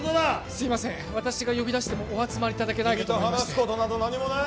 すいません私が呼び出してもお集まりいただけないかと思いまして君と話すことなど何もない！